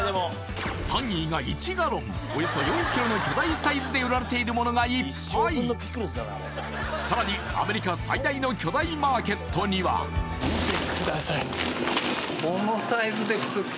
単位が１ガロンおよそ４ｋｇの巨大サイズで売られているものがいっぱいさらにアメリカ最大の巨大マーケットには見てください